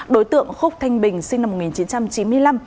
đối tượng khúc thanh bình sinh năm một nghìn chín trăm chín mươi năm